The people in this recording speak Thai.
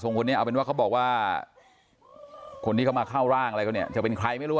คนนี้เอาเป็นว่าเขาบอกว่าคนที่เขามาเข้าร่างอะไรก็เนี่ยจะเป็นใครไม่รู้